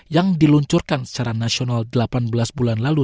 yang diluncurkan secara nasional delapan belas bulan lalu